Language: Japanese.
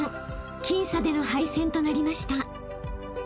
［僅差での敗戦となりました］